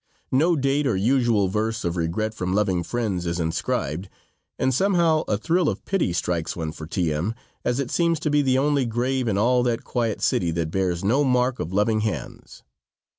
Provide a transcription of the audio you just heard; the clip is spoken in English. No date or usual verse of regret from loving friends is inscribed, and somehow a thrill of pity strikes one for T. M., as it seems to be the only grave in all that quiet city that bears no mark of loving hands.